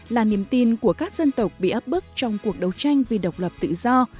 là niềm tin của các dân tộc bị áp bức trong cuộc đấu tranh vì độc lập tự do